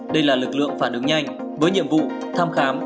đây là lực lượng phản ứng nhanh với nhiệm vụ thăm khám